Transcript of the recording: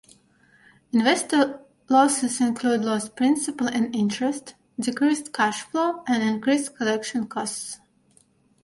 Investor losses include lost principal and interest, decreased cash flow, and increased collection costs.